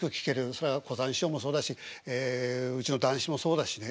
それは小さん師匠もそうだしうちの談志もそうだしね。